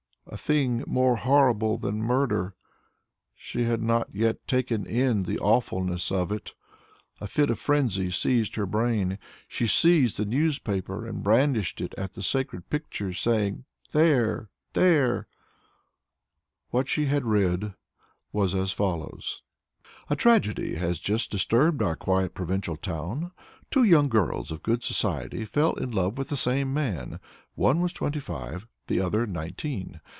a thing more horrible than murder. She had not yet taken in the awfulness of it. A fit of frenzy seized her brain. She seized the newspaper and brandished it at the sacred pictures, saying, "There! There!" What she had read was as follows: "A tragedy has just disturbed our quiet provincial town. Two young girls of good society fell in love with the same young man; one was twenty five, the other nineteen.